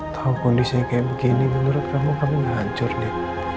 atau kondisinya kayak begini menurut kamu kami gak hancur deb